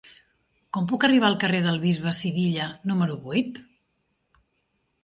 Com puc arribar al carrer del Bisbe Sivilla número vuit?